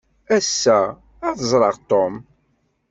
Ass-a, ad ẓreɣ Tom.